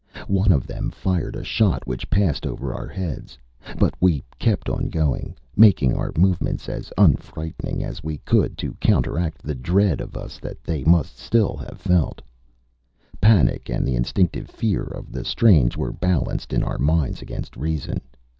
One of them fired a shot which passed over our heads. But we kept on going, making our movements as unfrightening as we could to counteract the dread of us that they must have still felt. Panic and the instinctive fear of the strange were balanced in our minds against reason.